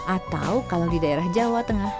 atau kalau di daerah jawa tengah